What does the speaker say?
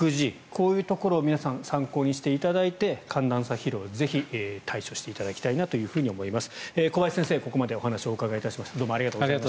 こういうところを皆さん参考にしていただいて寒暖差疲労、ぜひ対処していただきたいなと思います。